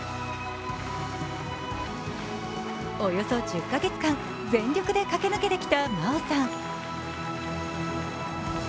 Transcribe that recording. およそ１０か月間、全力で駆け抜けてきた真央さん。